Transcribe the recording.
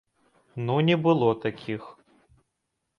Ну не было такіх.